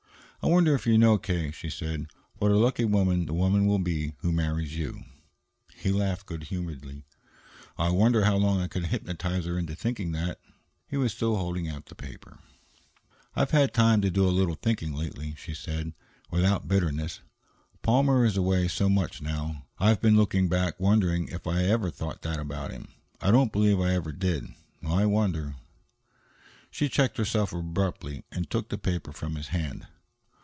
"I wonder if you know, K.," she said, "what a lucky woman the woman will be who marries you?" He laughed good humoredly. "I wonder how long I could hypnotize her into thinking that." He was still holding out the paper. "I've had time to do a little thinking lately," she said, without bitterness. "Palmer is away so much now. I've been looking back, wondering if I ever thought that about him. I don't believe I ever did. I wonder " She checked herself abruptly and took the paper from his hand.